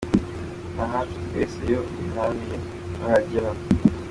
Ni ahacu twese, iyo ubiharaniye urahagera.